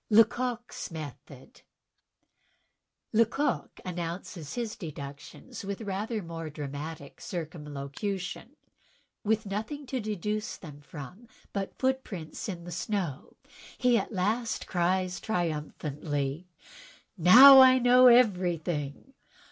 Leco(fs Method Lecoq announces his deductions with rather more dramatic circumlocution. With nothing to deduce from but foot prints in the snow, he at last cries triumphantly: "Now I know everything."